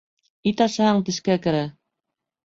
Ит ашаһаң тешкә керә